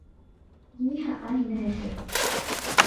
Añeha'ãhína hese.